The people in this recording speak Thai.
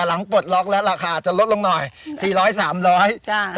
ปลดล็อกแล้วราคาจะลดลงหน่อยสี่ร้อยสามร้อยจ้ะ